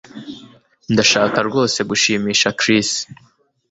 Ndashaka rwose gushimisha Chris